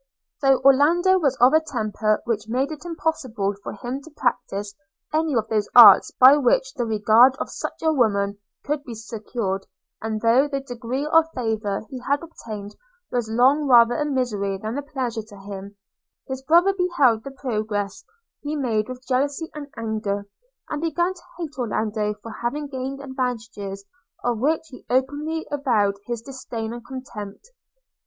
Though Orlando was of a temper which made it impossible for him to practise any of those arts by which the regard of such a woman could be secured; and though the degree of favour he had obtained was long rather a misery than a pleasure to him; his brother beheld the progress he made with jealousy and anger; and began to hate Orlando for having gained advantages of which he openly avowed his disdain and contempt.